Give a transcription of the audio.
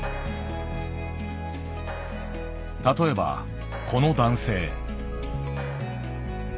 例えばこの男性。